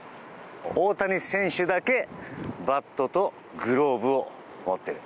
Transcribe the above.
大谷選手だけバットとグローブを持っている。